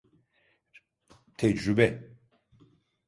Tecrübe…